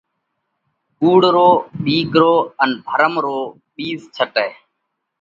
ڪُوڙ رو، ٻِيڪ رو ان ڀرم رو ٻِيز ڇٽئه